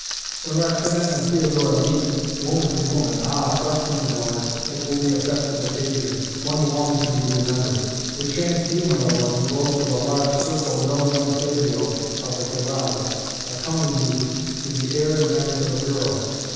"When Roxana and Theodora meet, woman to woman ah, trust me, my lord, it will be a festive occasion one long to be remembered. Perchance you, my lord, who boast of a large circle know young Fabio of the Cavalli a comely youth with the air and manners of a girl.